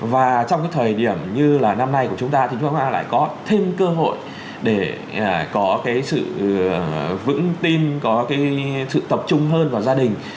và trong cái thời điểm như là năm nay của chúng ta thì trung hoa lại có thêm cơ hội để có cái sự vững tin có cái sự tập trung hơn vào gia đình